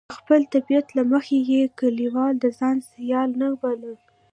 د خپل طبیعت له مخې یې کلیوال د ځان سیال نه باله.